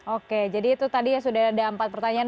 oke jadi itu tadi ya sudah ada empat pertanyaan